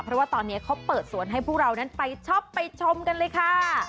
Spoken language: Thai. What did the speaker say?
เพราะว่าตอนนี้เขาเปิดสวนให้พวกเรานั้นไปช็อปไปชมกันเลยค่ะ